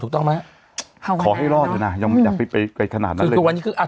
ถูกต้องมั้ยพอครับอย่างเวยอก็ไม่จำไปไปไปขนาดนั้นเลย